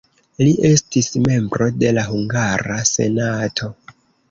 Li estis membro de la hungara senato.